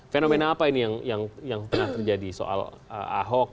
fenomena apa ini yang pernah terjadi soal ahok